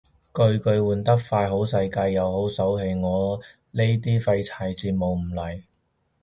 巨巨換得快好世界又好手氣，我呢啲廢柴羨慕唔嚟